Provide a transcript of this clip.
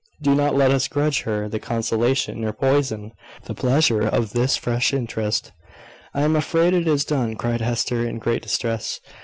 Do not let us grudge her the consolation, or poison the pleasure of this fresh interest." "I am afraid it is done," cried Hester, in great distress.